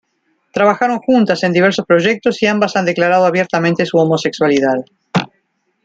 Trabajaron juntas en diversos proyectos y ambas han declarado abiertamente su homosexualidad.